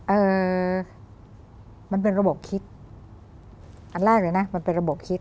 เอ่อมันเป็นระบบคิดอันแรกเลยนะมันเป็นระบบคิด